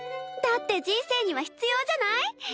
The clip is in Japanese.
だって人生には必要じゃない？